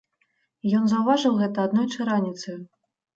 Ён заўважыў гэта аднойчы раніцаю.